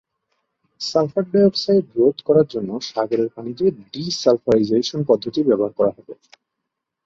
Sulphur-die oxide রোধ করার জন্য সাগরের পানিতে ডি-সালফারাইজেশন পদ্ধতি ব্যবহার করা হবে।